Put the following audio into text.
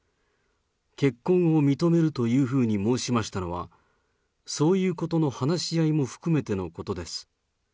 結婚を認めるというふうに申しましたのは、そういうことの話し合いも含めてのことです。